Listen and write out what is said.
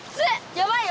やばいよ